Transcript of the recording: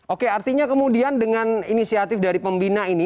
oke artinya kemudian dengan inisiatif dari pembina ini